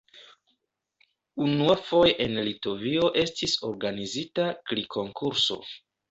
Unuafoje en Litovio estis organizita kri-konkurso.